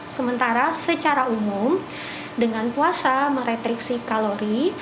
sementara secara umum dengan puasa meretriksi kalori